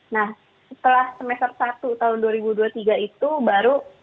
nah setelah semester satu tahun dua ribu dua puluh tiga itu baru